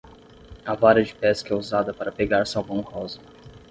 A vara de pesca é usada para pegar salmão rosa.